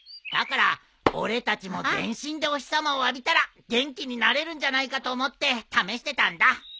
だから俺たちも全身でお日さまを浴びたら元気になれるんじゃないかと思って試してたんだ。